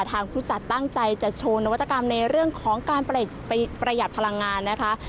ทางผู้จัดตั้งใจจะโชว์นวัตกรรมในเรื่องของการประหยัดพลังงานนะคะ